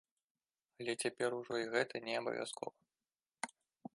Але цяпер ужо і гэта не абавязкова.